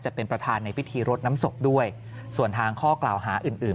จะเป็นประธานในพิธีรดน้ำศพด้วยส่วนทางข้อกล่าวหาอื่นอื่น